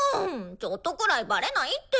ちょっとくらいバレないって！